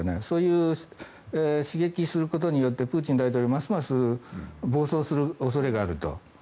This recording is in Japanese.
そういう刺激することによってプーチン大統領がますます暴走する恐れがあると。